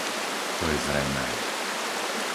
To je zrejmé.